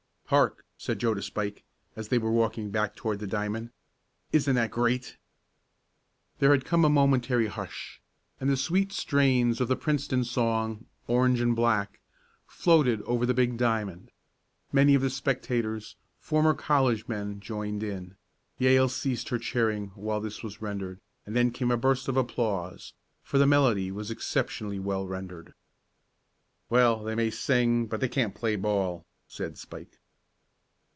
"Hark!" said Joe to Spike, as they were walking back toward the diamond. "Isn't that great?" There had come a momentary hush, and the sweet strains of the Princeton song "Orange and Black," floated over the big diamond. Many of the spectators former college men joined in, Yale ceased her cheering while this was rendered, and then came a burst of applause, for the melody was exceptionally well rendered. "Well, they may sing, but they can't play ball," said Spike.